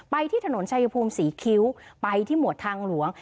ที่ถนนชายภูมิศรีคิ้วไปที่หมวดทางหลวง